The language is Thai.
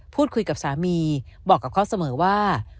พูดคุยกับสามีบอกกับเขาเสมอว่า